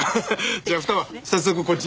じゃあ二葉早速こっち。